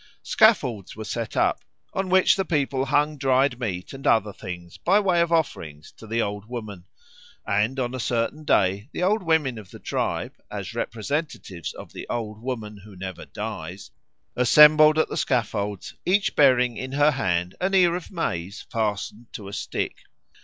Scaffolds were set up, on which the people hung dried meat and other things by way of offerings to the Old Woman; and on a certain day the old women of the tribe, as representatives of the Old Woman who Never Dies, assembled at the scaffolds each bearing in her hand an ear of maize fastened to a stick.